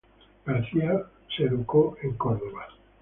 García fue educado en Córdoba.